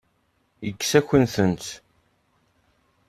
Yekkes-akent-tent.